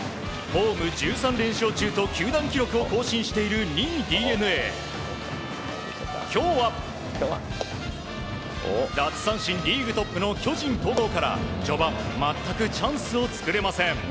ホーム１３連勝中と球団記録を更新している２位、ＤｅＮＡ、今日は奪三振リーグトップの巨人、戸郷から今日は全くチャンスを作れません。